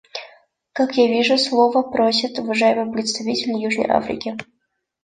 Как я вижу, слова просит уважаемый представитель Южной Африки.